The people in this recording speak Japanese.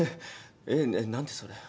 えっ何でそれ。